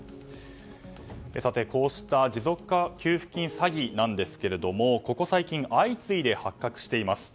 さて、こうした持続化給付金詐欺なんですけどもここ最近相次いで発覚しています。